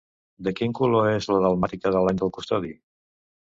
De quin color és la dalmàtica de l'àngel custodi?